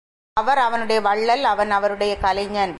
அவர் அவனுடைய வள்ளல் அவன் அவருடைய கலைஞன்.